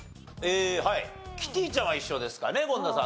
キティちゃんは一緒ですかね権田さんと。